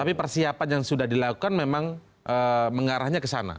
tapi persiapan yang sudah dilakukan memang mengarahnya ke sana